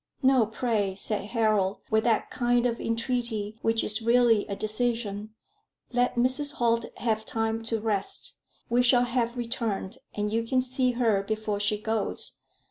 "No, pray," said Harold, with that kind of entreaty which is really a decision. "Let Mrs. Holt have time to rest. We shall have returned, and you can see her before she goes.